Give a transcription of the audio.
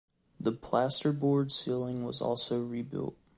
The plasterboard ceiling was also rebuilt.